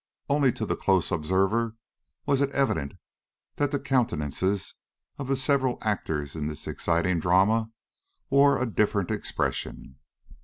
Only to the close observer was it evident that the countenances of the several actors in this exciting drama wore a different expression.